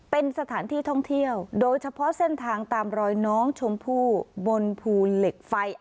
เป็นสถานที่ท่องเที่ยวโดยเฉพาะเส้นทางตามรอยน้องชมพู่บนภูเหล็กไฟ